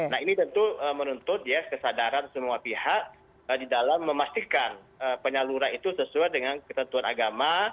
nah ini tentu menuntut ya kesadaran semua pihak di dalam memastikan penyaluran itu sesuai dengan ketentuan agama